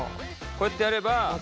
こうやってやれば。